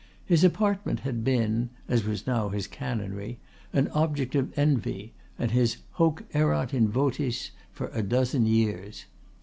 His apartment had been (as was now the canonry) an object of envy and his "hoc erat in votis" for a dozen years.